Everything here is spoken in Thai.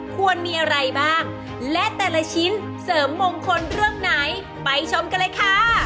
ควรมีอะไรบ้างและแต่ละชิ้นเสริมมงคลเรื่องไหนไปชมกันเลยค่ะ